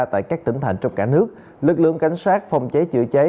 tại các tỉnh thành trong cả nước lực lượng cảnh sát phòng cháy chữa cháy